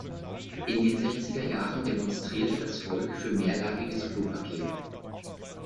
In den sechziger Jahren demonstrierte das Volk für mehrlagiges Klopapier.